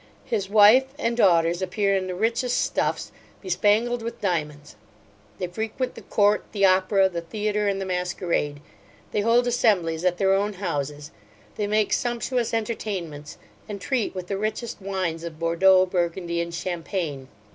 His wife and daughters appear in the richest stuffs, bespangled with diamonds. They frequent the court, the opera, the theatre, and the masquerade. They hold assemblies at their own houses: they make sumptuous entertainments, and treat with the richest wines of Bordeaux, Burgundy, and Champagne.